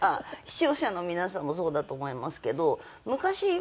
視聴者の皆さんもそうだと思いますけど昔